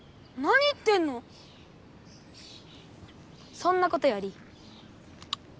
そんなことより。